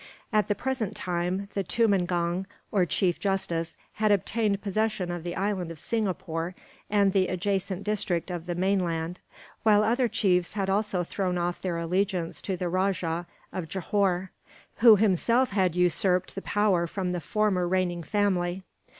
At the present time the tumangong, or chief justice, had obtained possession of the island of Singapore, and the adjacent district of the mainland; while other chiefs had also thrown off their allegiance to the Rajah of Johore, who himself had usurped the power from the former reigning family.